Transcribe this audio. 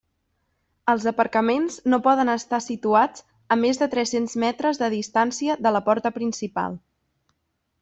Els aparcaments no poden estar situats a més de tres-cents metres de distància de la porta principal.